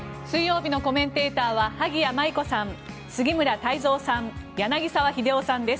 水曜日のコメンテーターは萩谷麻衣子さん、杉村太蔵さん